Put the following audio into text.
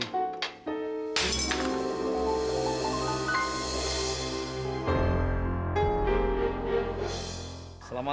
tuan saya robbed